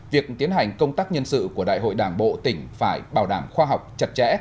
việc tiến hành công tác nhân sự của đại hội đảng bộ tỉnh phải bảo đảm khoa học chặt chẽ